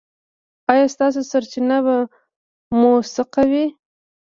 ایا ستاسو سرچینه به موثقه وي؟